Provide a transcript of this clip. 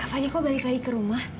makanya kok balik lagi ke rumah